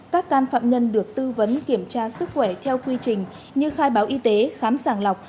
các can phạm nhân được tư vấn kiểm tra sức khỏe theo quy trình như khai báo y tế khám sàng lọc